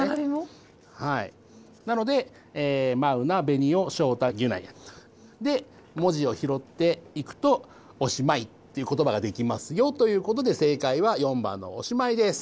なので「マウナ」「ベニオ」「ショウタ」「ギュナイ」。で文字をひろっていくと「オシマイ」ということばができますよということで正解は４番の「おしまい」です。